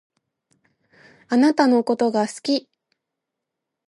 あなたのことが好き。